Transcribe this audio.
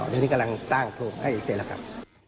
เดี๋ยวนี้กำลังสร้างถูกให้เสร็จแล้วครับ